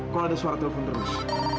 kalau ada suara telepon terus